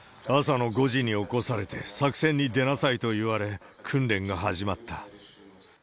朝の５時に起こされて、作戦に出なさいと言われ、訓練が始まった。